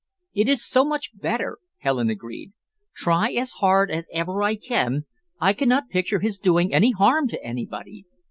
"It is so much better," Helen agreed. "Try as hard as ever I can, I cannot picture his doing any harm to anybody.